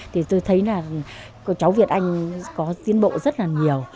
thì tôi thấy là cháu việt anh có diên bộ rất là nhiều